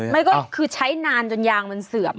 ไม่ก็คือใช้นานจนยางมันเสื่อม